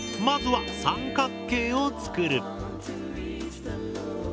まずは三角形を作る。